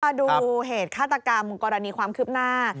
มาดูเหตุฆาตกรรมกรณีความคืบหน้า